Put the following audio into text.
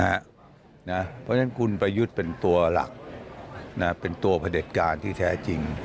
เพราะฉะนั้นคุณประยุทธ์เป็นตัวหลักเป็นตัวพระเด็จการที่แท้จริง